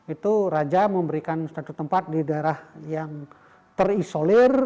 itu raja memberikan satu tempat di daerah yang terisolir